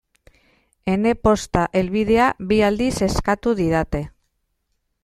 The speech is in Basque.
Ene posta helbidea bi aldiz eskatu didate.